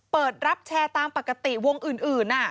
เปิดรับแชร์ตามปกติวงอื่น